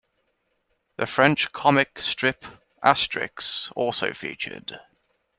The French comic strip "Asterix" also featured.